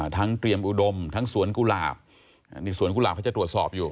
เตรียมอุดมทั้งสวนกุหลาบนี่สวนกุหลาบเขาจะตรวจสอบอยู่